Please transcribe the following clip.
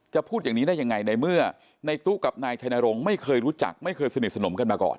พูดอย่างนี้ได้ยังไงในเมื่อในตู้กับนายชัยนรงค์ไม่เคยรู้จักไม่เคยสนิทสนมกันมาก่อน